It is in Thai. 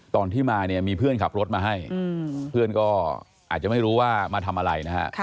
ตอนที่มาเนี่ยมีเพื่อนขับรถมาให้เพื่อนก็อาจจะไม่รู้ว่ามาทำอะไรนะฮะ